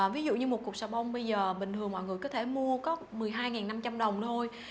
ví dụ như một cục sà bông bây giờ bình thường mọi người có thể mua có một mươi hai năm trăm linh đồng thôi